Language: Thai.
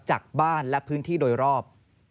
จากบ้านและพื้นที่โดยรอบ